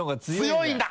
強いんだ！